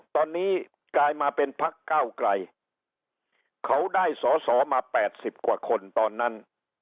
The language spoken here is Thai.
ตอนนี้กลายมาเป็นพักเก้าไกลเขาได้สอสอมา๘๐กว่าคนตอนนั้น